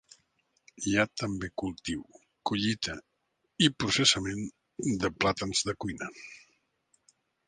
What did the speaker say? Hi ha també cultiu, collita i processament de plàtans de cuina.